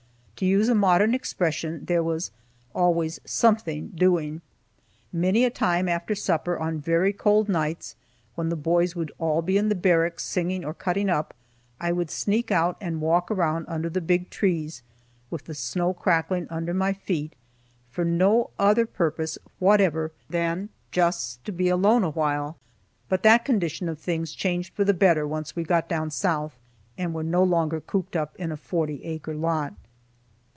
To use a modern expression, there was always "something doing." Many a time after supper, on very cold nights, when the boys would all be in the barracks, singing or cutting up, I would sneak out and walk around under the big trees, with the snow crackling under my feet, for no other purpose whatever than just to be alone a while. But that condition of things changed for the better after we got down South, and were no longer cooped up in a forty acre lot.